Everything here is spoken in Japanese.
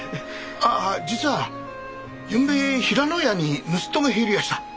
ああ実はゆんべ平野屋に盗っ人が入りやした。